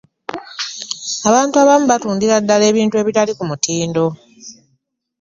abantu abamu batundira ddala ebintu ebitali ku mutindo.